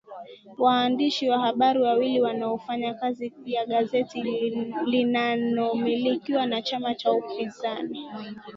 waandishi wa habari wawili wanaofanya kazi ya gazeti linanomilikiwa na chama cha upinzani